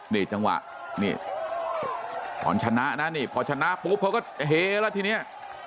ในจังหวะเนี่ย